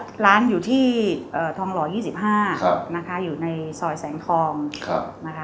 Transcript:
ร้านอยู่ที่ทองหล่อ๒๕นะคะอยู่ในซอยแสงทองนะคะ